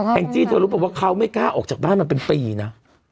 แห่งจีสรุปว่าเขาไม่กล้าออกจากบ้านมันเป็นปีนะ